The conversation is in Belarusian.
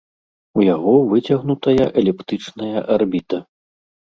У яго выцягнутая эліптычная арбіта.